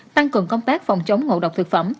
tăng cường công tác phòng chống ngộ độc thực phẩm